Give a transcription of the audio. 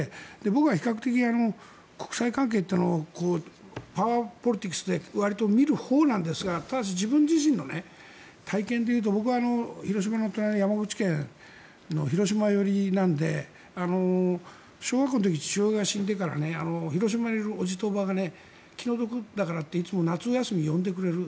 僕は比較的、国際関係ってのはパワーポリティクスで割と見るほうなんですがただし、自分自身の体験でいうと僕は、広島の隣の山口県の広島寄りなので小学校の時、父親が死んでから広島にいるおじとおばが気の毒だからといつも、夏休みに呼んでくれる。